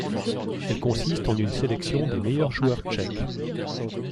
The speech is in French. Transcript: Elle consiste en une sélection des meilleurs joueurs tchèques.